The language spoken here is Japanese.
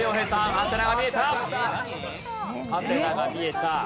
ハテナが見えた。